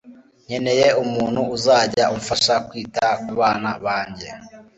Nkeneye umuntu uzajya umfasha kwita kubana banjye